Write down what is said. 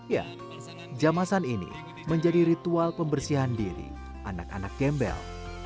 ya jamasan ini menjadi ritual pembersihan diri anak anak gembel